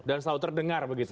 dan selalu terdengar begitu ya